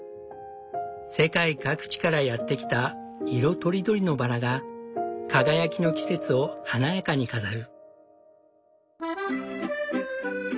世界各地からやってきた色とりどりのバラが輝きの季節を華やかに飾る。